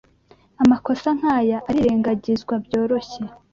Amakosa nkaya arirengagizwa byoroshye.